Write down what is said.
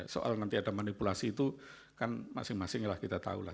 soal nanti ada manipulasi itu kan masing masing lah kita tahu lah